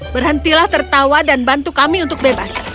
berhentilah tertawa dan bantu kami untuk bebas